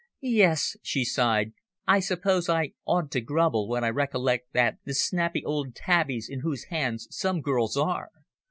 Yes," she sighed, "I suppose I oughtn't to grumble when I recollect the snappy old tabbies in whose hands some girls are.